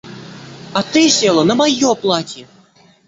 А ты села на мое платье!